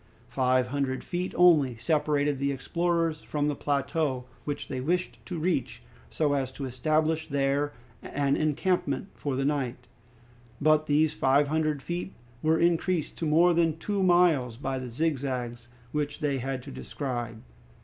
Five hundred feet only separated the explorers from the plateau, which they wished to reach so as to establish there an encampment for the night, but these five hundred feet were increased to more than two miles by the zigzags which they had to describe.